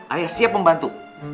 ayah siap membantu